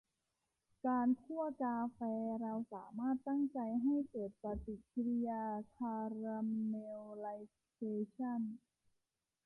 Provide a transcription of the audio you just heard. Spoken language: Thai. การคั่วกาแฟ เราสามารถตั้งใจให้เกิดปฏิกริยาคาราเมลไลเซชั่น